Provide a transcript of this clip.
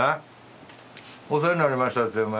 「お世話になりました」ってお前